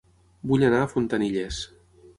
Vull anar a Fontanilles